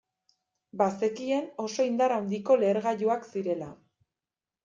Bazekien oso indar handiko lehergailuak zirela.